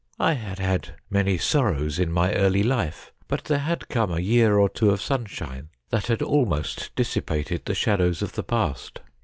I had had many sorrows in my early life, but there had come a year or two of sunshine that had almost dissipated 122 STORIES WEIRD AND WONDERFUL the shadows of the past.